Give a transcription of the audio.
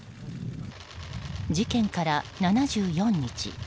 事件から７４日。